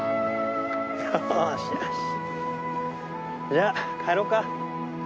じゃあ帰ろうか。